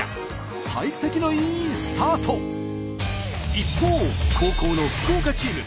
一方後攻の福岡チーム。